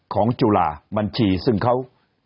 จุฬาบัญชีซึ่งเขา